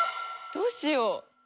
どうしよう。